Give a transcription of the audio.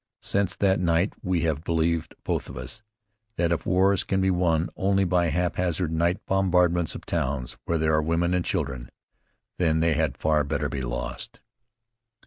Since that night we have believed, both of us, that if wars can be won only by haphazard night bombardments of towns where there are women and children, then they had far better be lost.